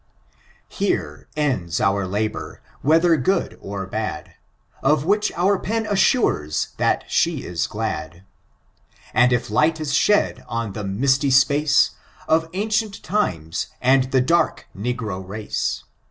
Here ends our labor, whether good or bad, Of which our pen aranres that the ia glad; And if light is ehe^ on the misty apace Of ancient times, and the dark negro race.